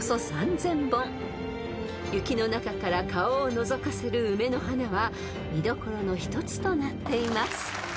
［雪の中から顔をのぞかせる梅の花は見どころの一つとなっています］